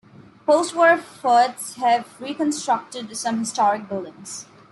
Postwar efforts have reconstructed some historic buildings.